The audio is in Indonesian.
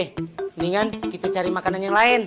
mendingan kita cari makanan yang lain